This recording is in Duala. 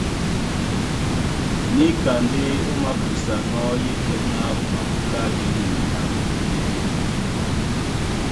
Níka ndé ó makusanɔ́, yétɛ̄ná o mapúlá jɛ́nɛnɛ lambo díndɛ̄nɛ.